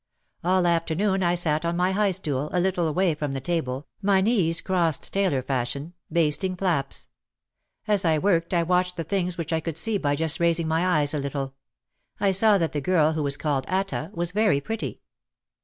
All afternoon I sat on my high stool, a little away from the table, my knees crossed tailor fashion, basting flaps. As I worked I watched the things which I could see by just raising my eyes a little. I saw that the girl, who was called Atta, was very pretty.